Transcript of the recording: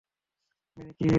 Many, কি হয়েছে?